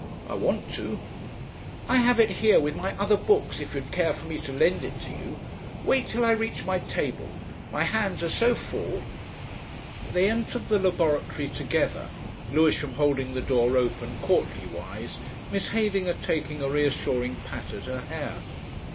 "I want to." "I have it here with my other books, if you'd care for me to lend it to you. Wait till I reach my table. My hands are so full." They entered the laboratory together, Lewisham holding the door open courtly wise, Miss Heydinger taking a reassuring pat at her hair.